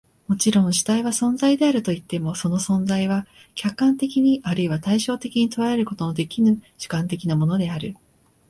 もちろん、主体は存在であるといっても、その存在は客観的に或いは対象的に捉えることのできぬ主観的なものである。